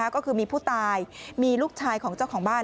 ก็คือมีผู้ตายมีลูกชายของเจ้าของบ้าน